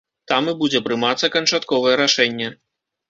Там і будзе прымацца канчатковае рашэнне.